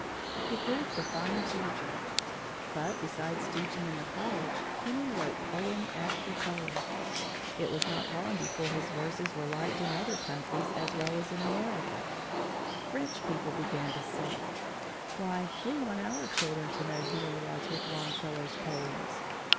He proved a fine teacher. But, besides teaching in the college, Henry wrote poem after poem. It was not long before his verses were liked in other countries as well as in America. French people began to say: "Why, we want our children to know Henry Wadsworth Longfellow's poems!"